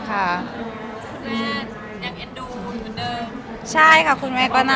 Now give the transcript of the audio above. อาจเป็นของทุกคนค่ะ